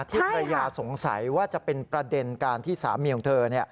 ภรรยาสงสัยว่าจะเป็นประเด็นการที่สามีของเธอ